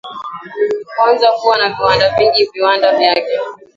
kwanza kuwa na viwanda vingi viwanda vyake